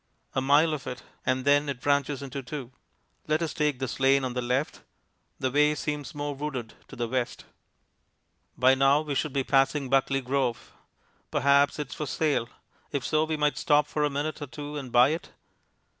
A mile of it, and then it branches into two. Let us take this lane on the left; the way seems more wooded to the west. By now we should be passing Buckley Grove. Perhaps it is for sale. If so, we might stop for a minute or two and buy it.